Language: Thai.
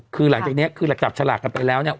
คือหลังจากนี้คือเราจับฉลากกันไปแล้วเนี่ย